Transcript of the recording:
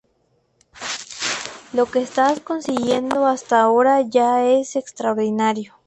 Lo que estás consiguiendo hasta ahora ya es extraordinario.